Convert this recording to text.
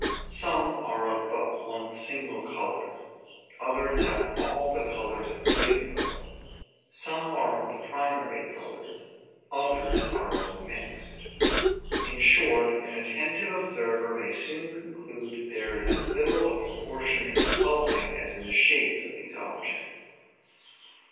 Some are of but one single color; others have all the colors of the rainbow; some are of the primary colors, others are of the mixed; in short, an attentive observer may soon conclude that there is as little of proportion in the coloring as in the shapes of these objects.